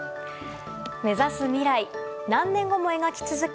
目指す未来、何年後も描き続け